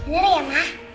bener ya ma